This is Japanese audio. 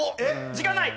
時間ない！